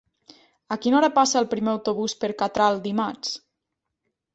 A quina hora passa el primer autobús per Catral dimarts?